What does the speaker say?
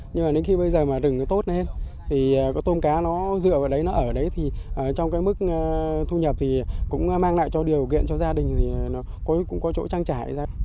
nhưng mà đến khi bây giờ rừng tốt lên thì tôm cá nó dựa vào đấy nó ở đấy thì trong cái mức thu nhập thì cũng mang lại cho điều kiện cho gia đình thì nó cũng có chỗ trăng trải ra